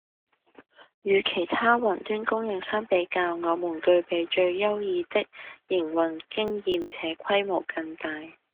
與其他雲端供應商比較，我們具備最優異的營運經驗且規模更大